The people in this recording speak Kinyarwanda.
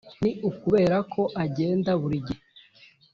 Ni ukubera ko agenda burigihe.